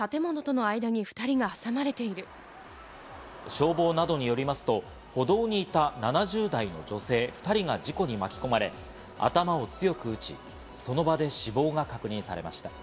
消防などによりますと、歩道にいた、７０代の女性２人が事故に巻き込まれ、頭を強く打ち、その場で死亡が確認されました。